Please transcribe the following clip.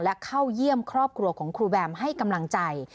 และเข้าเยี่ยมครอบครัวของครูแบมให้กำลังใจ